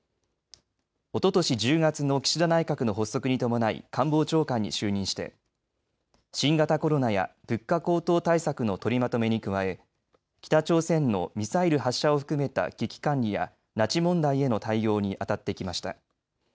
おととし１０月の岸田内閣の発足に伴い官房長官に就任して新型コロナや物価高騰対策の取りまとめに加え北朝鮮のミサイル発射を含めた危機管理や拉致問題への対応にあたってきました。